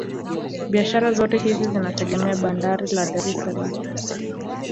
Biashara zote hizi zinategemea bandari ya Dar es salaam